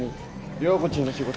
涼子ちんの仕事？